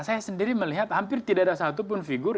saya sendiri melihat hampir tidak ada satupun figur